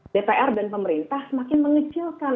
dpr dan pemerintah semakin mengecilkan